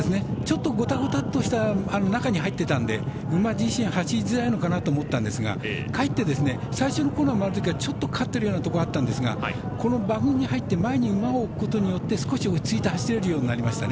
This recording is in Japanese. ちょっと中に入っていたので馬自身、走りづらいのかなと思ったんですが、かえって最初のコーナー曲がるとき勝ってるときがあったんですがこの馬群には一手前に馬を置くことによって落ち着いて走れるようになりましたね。